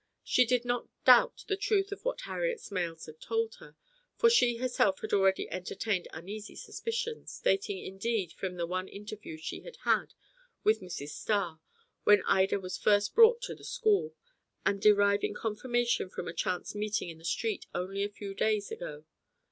She did not doubt the truth of what Harriet Smales had told her, for she herself had already entertained uneasy suspicions, dating indeed from the one interview she had had with Mrs. Starr, when Ida was first brought to the school, and deriving confirmation from a chance meeting in the street only a few days ago.